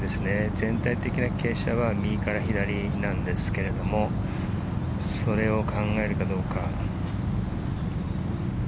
全体的な傾斜は右から左なんですけれど、それを考えるかどうか。